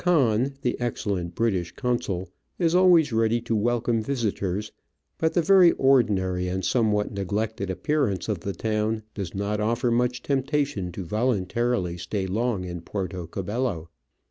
Conn, the excellent British Consul, is always ready to welcome visitors, but the very ordinary and somewhat neglected appearance of the town does not offer much temptation to voluntarily stay long in Puerto Cabello.